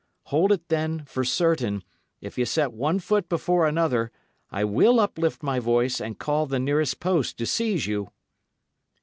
Hold it, then, for certain, if ye set one foot before another, I will uplift my voice and call the nearest post to seize you."